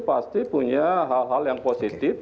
pasti punya hal hal yang positif